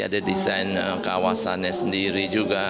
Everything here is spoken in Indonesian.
ada desain kawasannya sendiri juga